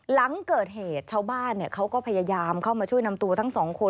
หลังเกิดเหตุชาวบ้านเขาก็พยายามเข้ามาช่วยนำตัวทั้งสองคน